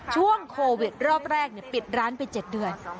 ช่วงโควิดรอบแรกปิดร้านไป๗เดือน